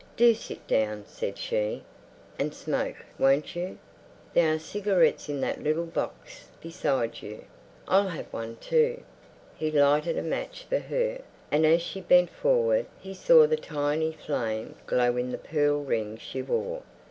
"Do sit down," said she. "And smoke, won't you? There are cigarettes in that little box beside you. I'll have one too." He lighted a match for her, and as she bent forward he saw the tiny flame glow in the pearl ring she wore.